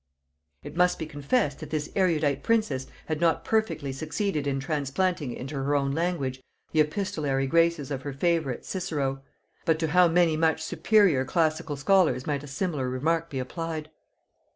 It must be confessed that this erudite princess had not perfectly succeeded in transplanting into her own language the epistolary graces of her favorite Cicero; but to how many much superior classical scholars might a similar remark be applied!